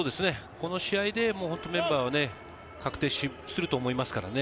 この試合でほぼメンバーは確定すると思いますからね。